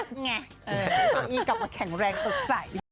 พี่โจอี้กลับมาแข็งแรงตกใจ